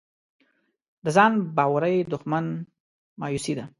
د ځان باورۍ دښمن مایوسي ده.